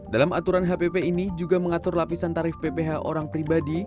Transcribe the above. dalam aturan hpp ini juga mengatur lapisan tarif pph orang pribadi